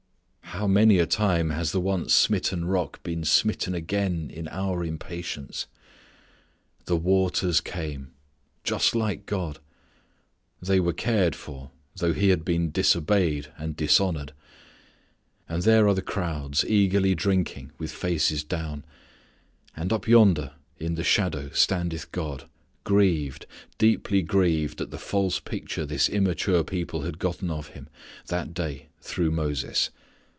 How many a time has the once smitten Rock been smitten again in our impatience! The waters came! Just like God! They were cared for, though He had been disobeyed and dishonoured. And there are the crowds eagerly drinking with faces down; and up yonder in the shadow standeth God grieved, deeply grieved at the false picture this immature people had gotten of Him that day through Moses.